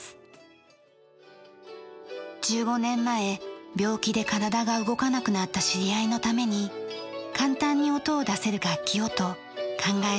１５年前病気で体が動かなくなった知り合いのために簡単に音を出せる楽器をと考え出しました。